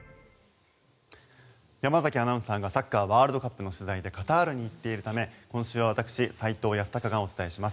山崎アナウンサーがサッカーワールドカップの取材でカタールに行っているため今週は、私、斎藤康貴がお伝えします。